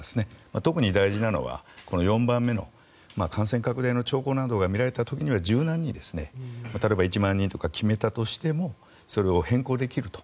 特に大事なのは４番目の感染拡大の兆候などが見られた時には柔軟に例えば、１万人とか決めたとしてもそれを変更できると。